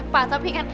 pak tapi kan